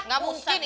gak mungkin lah